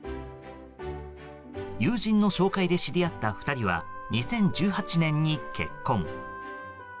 友人の紹介で知り合った２人は２０１８年に結婚。